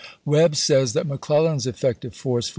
Webb says that McClellan's effective force for the